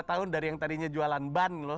lima tahun dari yang tadinya jualan ban loh